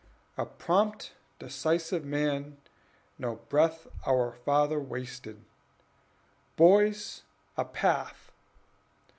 A prompt, decisive man, no breath Our father wasted: "Boys, a path!"